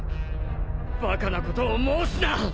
バカなことを申すな！